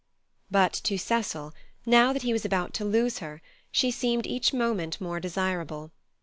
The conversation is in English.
But to Cecil, now that he was about to lose her, she seemed each moment more desirable.